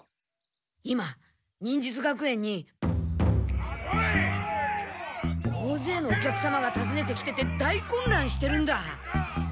今忍術学園におおぜいのお客様がたずねてきてて大こんらんしてるんだ。